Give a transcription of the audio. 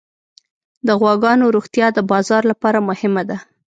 د غواګانو روغتیا د بازار لپاره مهمه ده.